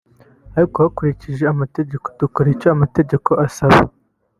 ariko hakurikijwe amategeko dukora icyo amategeko asaba